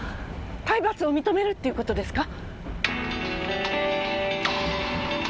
体罰を認めるっていう事ですか！？